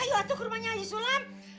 ayo atu ke rumahnya haji sulam